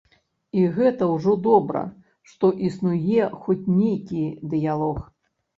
І гэта ўжо добра, што існуе хоць нейкі дыялог.